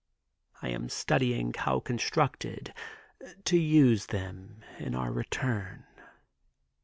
I am studying how constructed, to use them in our return."